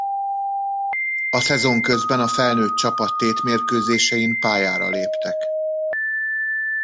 A szezon közben a felnőtt csapat tétmérkőzésein pályára léptek.